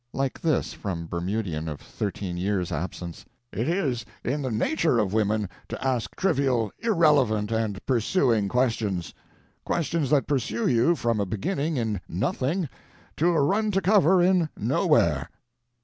Like this, from Bermudian of thirteen years' absence: "It is the nature of women to ask trivial, irrelevant, and pursuing questions questions that pursue you from a beginning in nothing to a run to cover in nowhere."